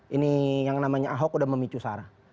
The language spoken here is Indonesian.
ini yang namanya ahok udah memicu sarah